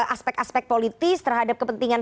aspek aspek politis terhadap kepentingan